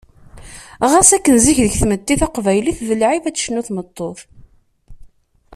Ɣas akken zik, deg tmetti taqbaylit d lɛib ad tecnu tameṭṭut.